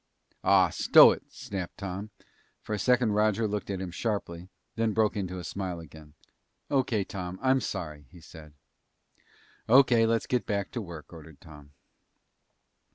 "Aw, stow it," snapped Tom. For a second Roger looked at him sharply, then broke into a smile again. "O.K., Tom, I'm sorry," he said. "O.K., let's get back to work," ordered Tom.